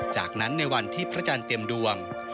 จากนั้นในวันที่พระจานเตรียมดวง